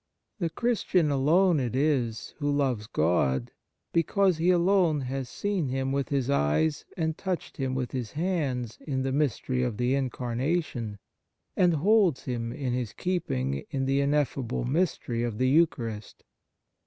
The Christian alone it is who loves God, because he alone has seen Him with his eyes and touched Him with his hands in the mystery of the Incar * Lev. xx vi. 2. On Piety nation, and holds Him in his keep ing in the ineffable mystery of the Eucharist.